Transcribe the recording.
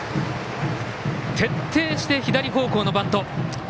徹底して左方向のバント。